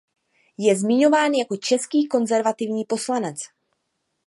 Je zmiňován jako český konzervativní poslanec.